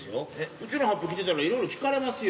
うちの法被着てたらいろいろ聞かれますよ。